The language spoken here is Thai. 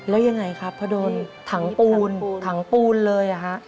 แล้วยังไงครับพอโดนถังปูนถังปูนเลย